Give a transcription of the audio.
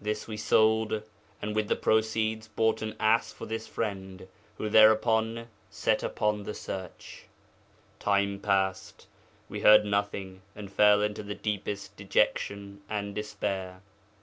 This we sold and with the proceeds bought an ass for this friend, who thereupon set out upon the search. 'Time passed; we heard nothing, and fell into the deepest dejection and despair.